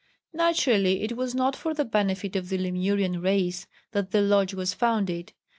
] Naturally it was not for the benefit of the Lemurian race that the Lodge was founded.